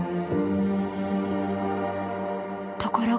ところが。